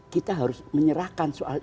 kita harus menyerahkan soal